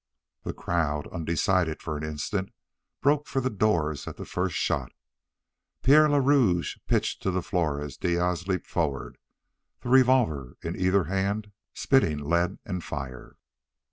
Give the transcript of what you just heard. The crowd, undecided for an instant, broke for the doors at the first shot; Pierre le Rouge pitched to the floor as Diaz leaped forward, the revolver in either hand spitting lead and fire.